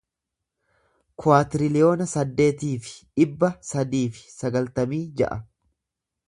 kuwaatiriliyoona saddeetii fi dhibba sadii fi sagaltamii ja'a